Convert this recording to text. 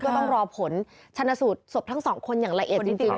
ก็ต้องรอผลชนสูตรศพทั้งสองคนอย่างละเอียดจริง